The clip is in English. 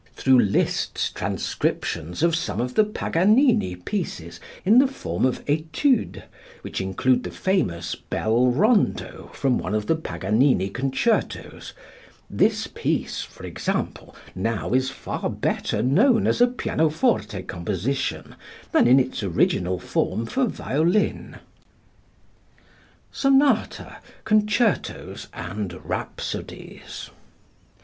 Through Liszt's transcriptions of some of the Paganini pieces in the form of Études, which include the famous "Bell Rondo" from one of the Paganini concertos, this piece, for example, now is far better known as a pianoforte composition than in its original form for violin. Sonata, Concertos and Rhapsodies.